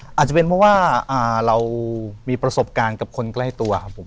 อาจจะเป็นเพราะว่าเรามีประสบการณ์กับคนใกล้ตัวครับผม